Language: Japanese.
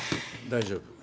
大丈夫。